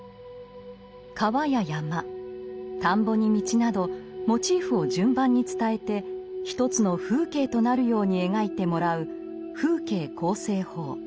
川や山田んぼに道などモチーフを順番に伝えて一つの風景となるように描いてもらう「風景構成法」。